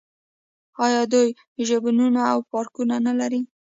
آیا دوی ژوبڼونه او پارکونه نلري؟